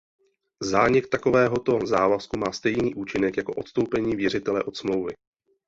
Zánik takovéhoto závazku má stejný účinek jako odstoupení věřitele od smlouvy.